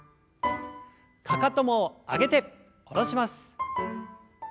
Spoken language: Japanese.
かかとも上げて下ろします。